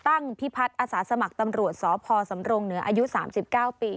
พิพัฒน์อาสาสมัครตำรวจสพสำรงเหนืออายุ๓๙ปี